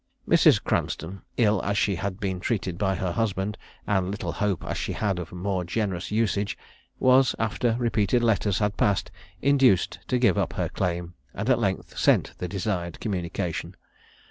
Mrs. Cranstoun, ill as she had been treated by her husband, and little hope as she had of more generous usage, was, after repeated letters had passed, induced to give up her claim, and at length sent the desired communication.